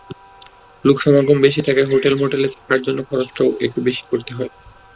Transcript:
লোকসমাগম বেশি থাকায় হোটেল-মোটেলে থাকার জন্য খরচটাও একটু বেশিই করতে হয়।